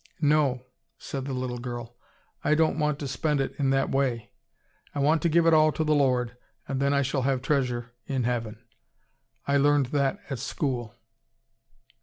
"No," said the little girl, "I don't want to spend it in that way. I want to give it all to the Lord and then I shall have treasure in heaven. I learned that at school."